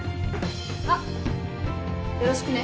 あっよろしくね。